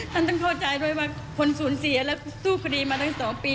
ท่านต้องเข้าใจด้วยว่าคนสูญเสียและสู้คดีมาตั้ง๒ปี